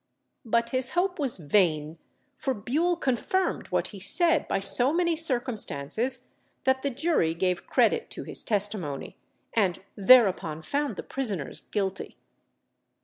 But his hope was vain, for Bewle confirmed what he said by so many circumstances that the jury gave credit to his testimony, and thereupon found the prisoners guilty.